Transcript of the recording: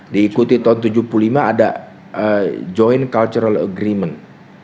diikuti tahun seribu sembilan ratus tujuh puluh lima ada joint cultural agreement